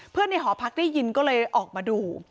ในหอพักได้ยินก็เลยออกมาดู